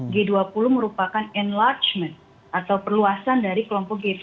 g dua puluh merupakan enlargement atau perluasan dari kelompok g tujuh